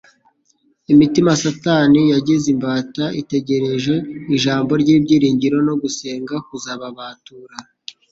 Imitima Satani yagize imbata, itegereje ijambo ry'ibyiringiro no gusenga kuzababatura.